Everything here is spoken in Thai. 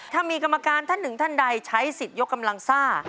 ถ้ามีกรรมการท่านหนึ่งท่านใดใช้สิทธิ์ยกกำลังซ่า